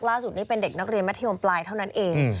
ล่าสุดนี้เป็นเด็กนักเรียนมัธยมปลายเท่านั้นเอง